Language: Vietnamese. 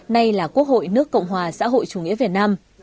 nay là quốc hội nước cộng hòa xã hội chủ nghĩa việt nam